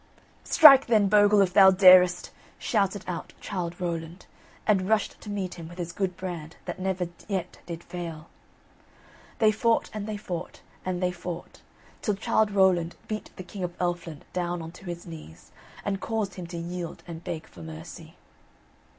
"Strike then, Bogle, if thou darest," shouted out Childe Rowland, and rushed to meet him with his good brand that never yet did fail. They fought, and they fought, and they fought, till Childe Rowland beat the King of Elfland down on to his knees, and caused him to yield and beg for mercy.